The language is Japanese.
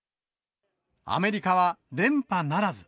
アメリカは連覇ならず。